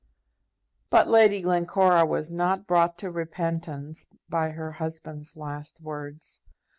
But Lady Glencora was not brought to repentance by her husband's last words.